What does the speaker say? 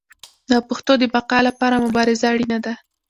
د پښتو د بقا لپاره مبارزه اړینه ده.